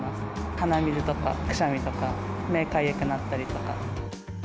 鼻水とかくしゃみとか、目かゆくなったりとか。